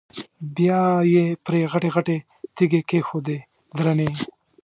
بیا یې پرې غټې غټې تیږې کېښودې درنې.